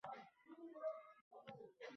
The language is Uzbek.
-Men qachon yolg’on gapirdim?